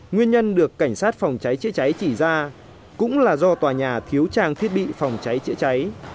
nguyên nhân được cảnh sát phòng cháy chữa cháy chỉ ra cũng là do tòa nhà thiếu trang thiết bị phòng cháy chữa cháy